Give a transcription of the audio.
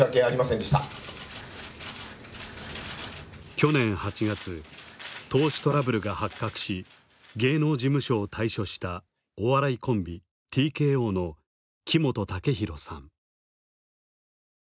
去年８月投資トラブルが発覚し芸能事務所を退所したお笑いコンビＴＫＯの木本武宏さん。